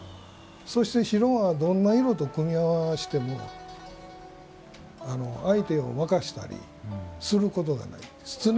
そして白はどんな色と組み合わせても相手を負かせたりすることがないんです。